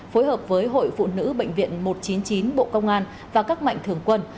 phối hợp với hội phụ nữ bệnh viện một trăm chín mươi chín bộ công an và các mạnh thường quân